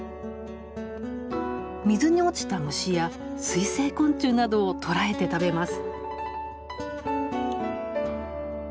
水に落ちた虫や水生昆虫などを捕らえて食べます。